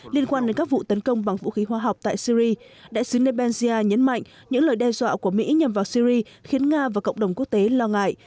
liên quan đến các vụ tấn công bằng vũ khí hóa học tại syri đại sứ nebensia nhấn mạnh những lời đe dọa của mỹ nhằm vào syri khiến nga và cộng đồng quốc tế lo ngại